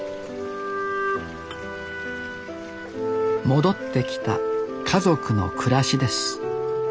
戻ってきた家族の暮らしです